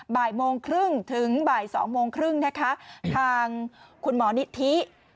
บ่ายโมงครึ่งถึงบ่ายสองโมงครึ่งนะคะทางคุณหมอนิธิ